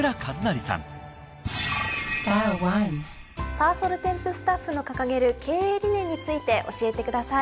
パーソルテンプスタッフの掲げる経営理念について教えてください。